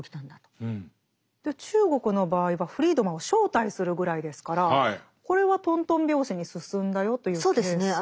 中国の場合はフリードマンを招待するぐらいですからこれはとんとん拍子に進んだよというケースですか。